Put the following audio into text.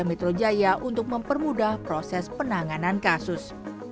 polda metro jaya untuk mempermudah proses penanganan kasus